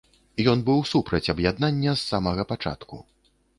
Ён быў супраць аб'яднання з самага пачатку.